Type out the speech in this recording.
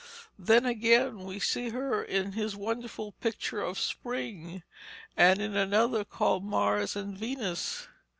Then again we see her in his wonderful picture of 'Spring,' and in another called 'Mars and Venus.'